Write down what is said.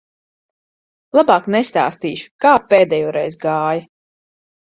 Labāk nestāstīšu, kā pēdējoreiz gāja.